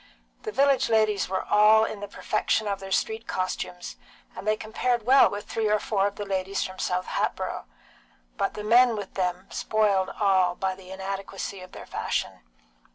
The village ladies were all in the perfection of their street costumes, and they compared well with three or four of the ladies from South Hatboro', but the men with them spoiled all by the inadequacy of their fashion.